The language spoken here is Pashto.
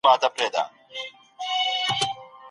د ښار جوماتونه څنګه جوړ سوي وو؟